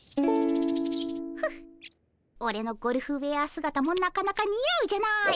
フッオレのゴルフウェア姿もなかなかにあうじゃないかっ。